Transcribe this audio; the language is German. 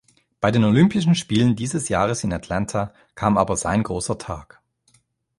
Bei den Olympischen Spielen dieses Jahres in Atlanta kam aber sein großer Tag.